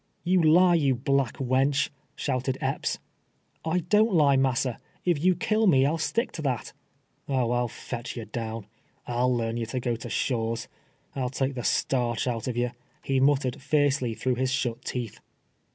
" You lie, you black wench !" shouted Epj)s. " Idoivt lie, massa. If you kill me, Pll stick to that." " Oh ! I'll fetch you down. I'll learn you to go to Shaw's. I'll take the starch out of ye," he muttered liercely through his shut teeth.